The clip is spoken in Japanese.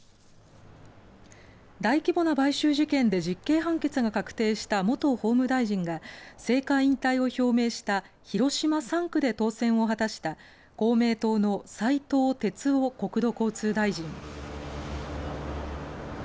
大規模な買収事件で実刑判決が確定した元法務大臣が政界引退を表明した広島３区で当選を果たした公明党の斉藤鉄夫国土交通大臣。